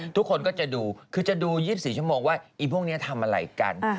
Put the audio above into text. ทุกคนก็จะดูคือจะดู๒๔ชั่วโมงว่าอีพวกนี้ทำอะไรกัน